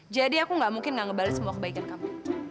jadi aku gak mungkin gak ngebales semua kebaikan kamu